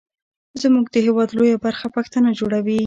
زمونږ د هیواد لویه برخه پښتانه جوړوي.